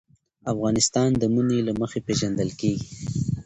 افغانستان د منی له مخې پېژندل کېږي.